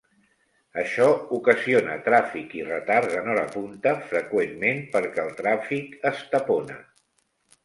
Això ocasiona tràfic i retards en hora punta freqüentment perquè el tràfic es tapona.